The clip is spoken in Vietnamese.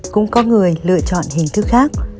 cũng có người lựa chọn hình thức khác